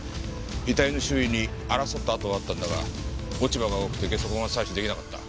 遺体の周囲に争った跡はあったんだが落ち葉が多くて下足痕は採取出来なかった。